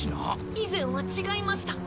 以前は違いました。